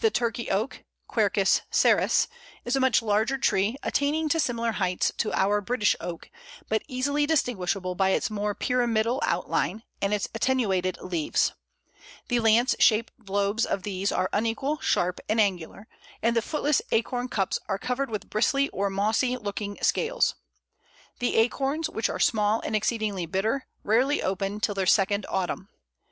] [Illustration: Pl. 7. Acorns of Turkey Oak.] The Turkey Oak (Quercus cerris) is a much larger tree, attaining to similar heights to our British Oak, but easily distinguishable by its more pyramidal outline, and its attenuated leaves. The lance shaped lobes of these are unequal, sharp, and angular; and the footless acorn cups are covered with bristly or mossy looking scales. The acorns, which are small and exceedingly bitter, rarely ripen till their second autumn.